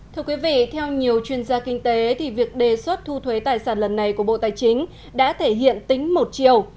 thưa quý vị theo nhiều chuyên gia kinh tế thì việc đề xuất thu thuế tài sản lần này của bộ tài chính đã thể hiện tính một chiều